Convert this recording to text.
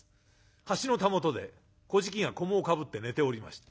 橋のたもとでこじきが菰をかぶって寝ておりました。